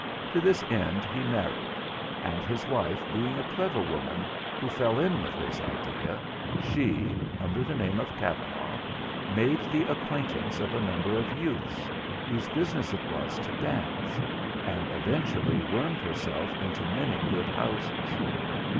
To this end he married, and his wife being a clever woman who fell in with his idea, she—under the name of Kavanagh—made the acquaintance of a number of youths whose business it was to dance; and eventually wormed herself into many good houses.